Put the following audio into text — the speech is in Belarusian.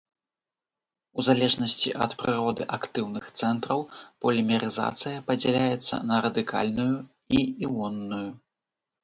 У залежнасці ад прыроды актыўных цэнтраў полімерызацыя падзяляецца на радыкальную і іонную.